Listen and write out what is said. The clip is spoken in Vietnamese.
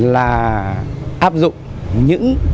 là áp dụng những